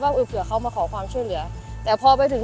สวัสดีครับที่ได้รับความรักของคุณ